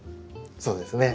そうですね。